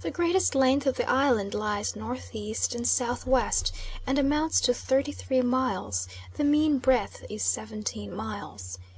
The greatest length of the island lies N.E. and S.W., and amounts to thirty three miles; the mean breadth is seventeen miles.